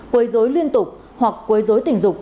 quấy rối liên tục hoặc quấy rối tình dục